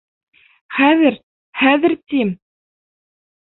Хәҙер, хәҙер, тим!